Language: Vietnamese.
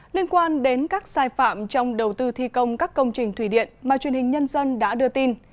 liên quan đến các sai phạm trong đầu tư thi công các công trình thủy điện mà truyền hình nhân dân đã đưa tin